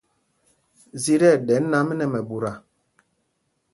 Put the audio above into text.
Zī tí ɛɗɛ nǎm nɛ mɛɓuta.